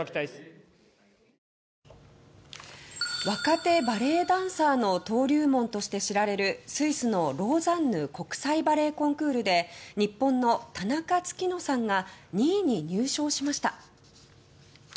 若手バレエダンサーの登竜門として知られるスイスの、ローザンヌ国際バレエコンクールで日本の田中月乃さんが２位に入賞しました。